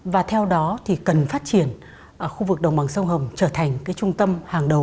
và theo đó thì cần phát triển khu vực đồng bằng sông hồng trở thành cái trung tâm hàng đầu